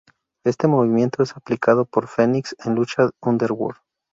Este movimiento es aplicado por Fenix en Lucha Underground.